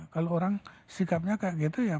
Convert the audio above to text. kalau orang sikapnya kayak gitu ya